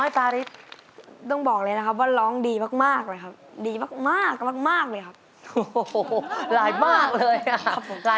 ฝากรักลงพาเพื่อข้า